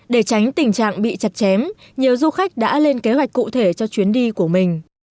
để tránh tình trạng bị chặt chém nhiều du khách đã lên kế hoạch cụ thể cho chuyến đi của mình